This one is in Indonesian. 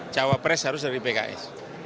cawa pres harus dari pks